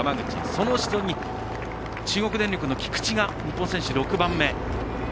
その後ろに、中国電力、菊地が日本選手６人目。